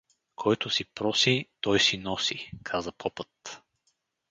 „Който си проси, той си носи“ — каза попът.